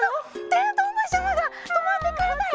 てんとうむしちゃまがとまってくれたよ。